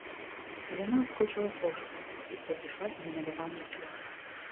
Яна ўскочыла з ложка і падышла да намаляваных плям.